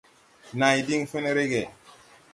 Này diŋ fen rege.